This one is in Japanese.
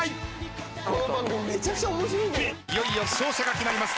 いよいよ勝者が決まります。